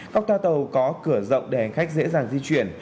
các toa tàu có cửa rộng để hành khách dễ dàng di chuyển